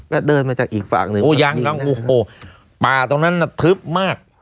ก็เดินมาจากอีกฝั่งหนึ่งโอ้ยังโอ้โหป่าตรงนั้นน่ะทึบมาก